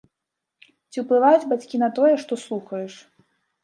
Ці ўплываюць бацькі на тое, што слухаеш?